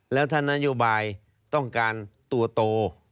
แล้วถ้านโยบายต้องการตัวโต